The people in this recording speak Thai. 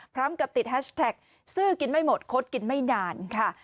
พร้อมกับติดแฮชแท็กซื่อกินไม่หมดคดกินไม่นานค่ะ